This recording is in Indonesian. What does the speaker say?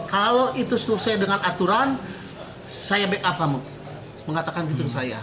kalau itu selesai dengan aturan saya back up kamu mengatakan gitu saya